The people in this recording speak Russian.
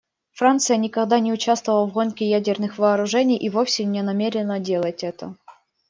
Франция никогда не участвовала в гонке ядерных вооружений и вовсе не намерена делать это.